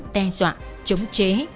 đe dọa chống chế